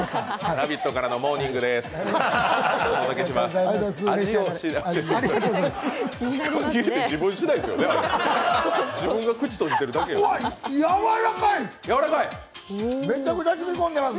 「ラヴィット！」からのモーニングでーす。